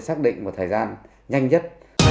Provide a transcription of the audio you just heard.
xác định một thời gian nhanh nhất